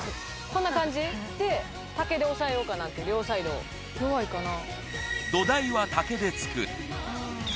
こんな感じで竹でおさえようかなって両サイドを弱いかな